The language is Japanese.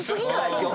今日。